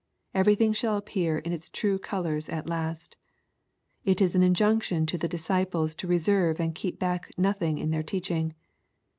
Everything shall appear in its true colors at last. It is an injunction to the disciples to reserve and keep back nothing in their teaching.